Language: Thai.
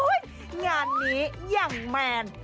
งานนี้ยังแมน